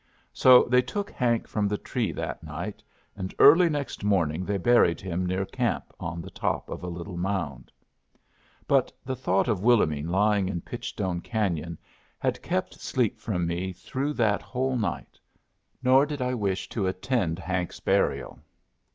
So they took Hank from the tree that night, and early next morning they buried him near camp on the top of a little mound. But the thought of Willomene lying in Pitchstone Canyon had kept sleep from me through that whole night, nor did I wish to attend Hank's burial.